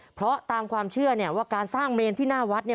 เพราะตามความเชื่อเนี่ยว่าการสร้างเมนที่หน้าวัดเนี่ย